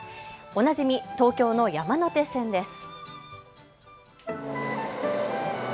おなじみ東京の山手線です。